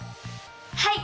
はい！